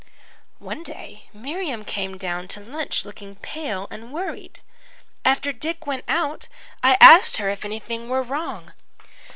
"One day Miriam came down to lunch looking pale and worried. After Dick went out, I asked her if anything were wrong.